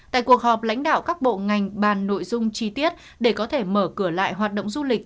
tại cuộc họp lãnh đạo các bộ ngành bàn nội dung chi tiết để có thể mở cửa lại hoạt động du lịch